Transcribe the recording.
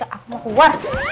aku mau keluar